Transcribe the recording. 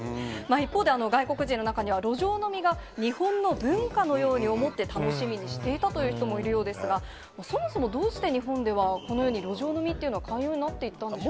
一方で、外国人の方の中には、路上飲みを日本の文化みたいに思って、楽しみにしていたという人もいるようですが、そもそもどうして日本では、このように路上飲みというのが寛容になっていったんでしょう？